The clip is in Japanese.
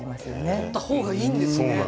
とった方がいいんですね。